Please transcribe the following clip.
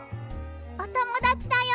おともだちだよ。